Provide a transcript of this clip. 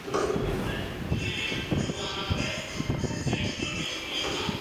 Varios miembros de la banda han llevado a cabo proyectos secundarios.